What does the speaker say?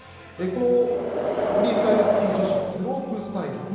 このフリースタイルスキー女子スロープスタイル。